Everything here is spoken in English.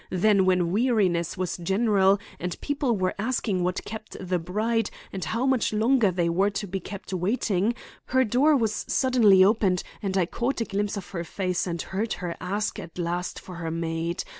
Then, when weariness was general and people were asking what kept the bride and how much longer they were to be kept waiting, her door suddenly opened and I caught a glimpse of her face and heard her ask at last for her maid.